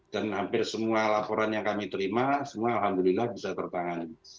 dan hampir semua laporan yang kami terima semua alhamdulillah bisa tertangani